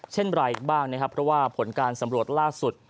ไรบ้างนะครับเพราะว่าผลการสำรวจล่าสุด